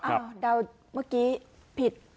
เดาเมื่อกี้ผิด